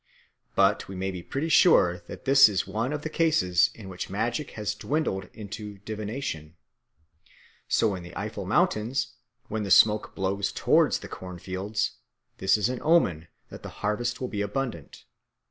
But we may be pretty sure that this is one of the cases in which magic has dwindled into divination. So in the Eifel Mountains, when the smoke blows towards the corn fields, this is an omen that the harvest will be abundant.